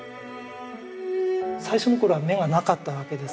最初の頃は眼がなかったわけです。